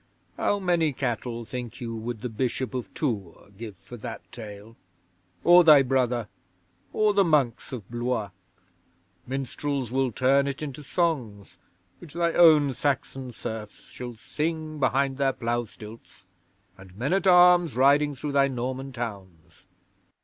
How many cattle, think you, would the Bishop of Tours give for that tale? Or thy brother? Or the Monks of Blois? Minstrels will turn it into songs which thy own Saxon serfs shall sing behind their plough stilts, and men at arms riding through thy Norman towns.